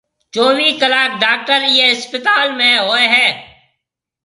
چويھ ڪلاڪ ڊاڪٽر ايئيَ اسپتال ۾ ھوئيَ ھيََََ